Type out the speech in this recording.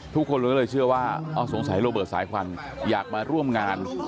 ทุกคนก็เลยเชื่อว่าสงสัยโรเบิร์ตสายควันอยากมาร่วมงาน